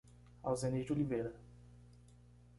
Alzenir de Oliveira